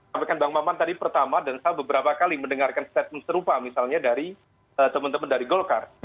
sampaikan bang maman tadi pertama dan saya beberapa kali mendengarkan statement serupa misalnya dari teman teman dari golkar